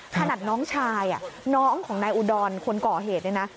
ขนาดน้องชายน้องของนายอุดรคนก่อเหตุเนี่ยนะ